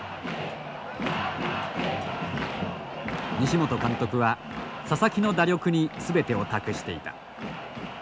西本監督は佐々木の打力に全てを託していた。